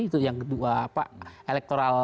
itu yang kedua